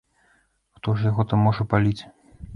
Хто ж яго там можа паліць?